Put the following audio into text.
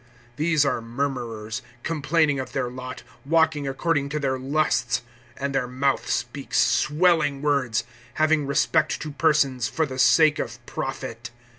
(16)These are murmurers, complaining of their lot, walking according to their lusts; and their mouth speaks swelling words; having respect to persons, for the sake of profit.